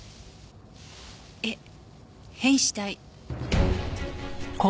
えっ変死体。